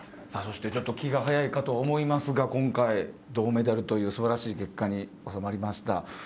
ちょっと気が早いかと思いますが今回、銅メダルという素晴らしい結果に収まりました。